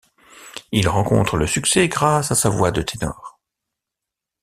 Il rencontre le succès grâce à sa voix de ténor.